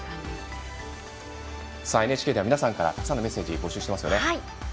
ＮＨＫでは皆さんからのたくさんのメッセージを募集しています。